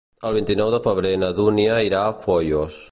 El vint-i-nou de febrer na Dúnia irà a Foios.